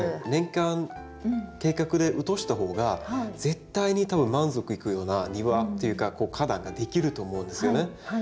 年間計画で落とした方が絶対に多分満足いくような庭っていうか花壇ができると思うんですよね。